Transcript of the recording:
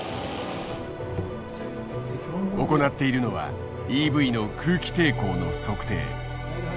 行っているのはＥＶの空気抵抗の測定。